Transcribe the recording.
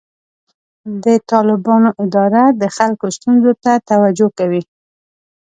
د طالبانو اداره د خلکو ستونزو ته توجه کوي.